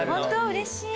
うれしい。